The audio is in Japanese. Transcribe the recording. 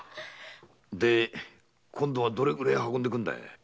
で今度はどれくらい運んでくんだい？